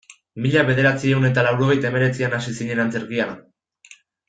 Mila bederatziehun eta laurogeita hemeretzian hasi zinen antzerkian?